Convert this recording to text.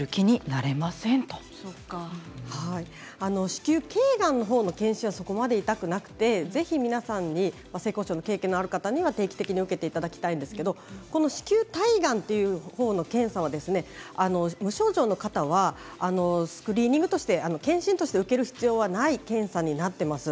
子宮けいがんのほうの健診はそこまで痛くなくてぜひ皆さんに性交渉のある方は定期的に受けていただきたいんですけれども子宮体がんのほうの検査は無症状の方はスクリーニングとして受ける必要はない検査になっています。